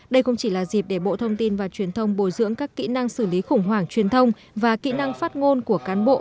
đây không chỉ là dịp để bộ thông tin và truyền thông bồi dưỡng các kỹ năng xử lý khủng hoảng truyền thông và kỹ năng phát ngôn của cán bộ